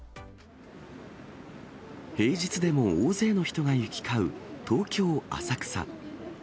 平日でも大勢の人が行き交う東京・浅草。